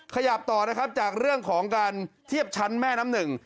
ขยับต่อนะครับจากเรื่องของการเทียบชั้นแม่น้ำหนึ่ง